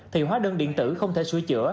thì hóa đơn điện tử không thể sửa chữa